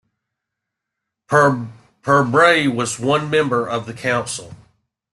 Per Brahe was one member of the council.